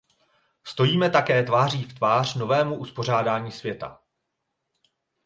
Stojíme také tváří v tvář novému uspořádání světa.